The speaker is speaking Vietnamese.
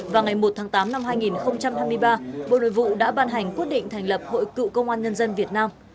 và ngày một tháng tám năm hai nghìn hai mươi ba bộ nội vụ đã ban hành quyết định thành lập hội cựu công an nhân dân việt nam